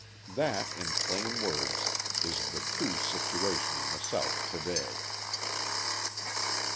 That, in plain words, is the true situation in the South to day.